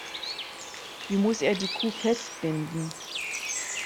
Wie muss er die Kuh festbinden?